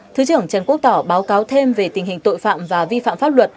thứ trưởng trần quốc tỏ báo cáo thêm về tình hình tội phạm và vi phạm pháp luật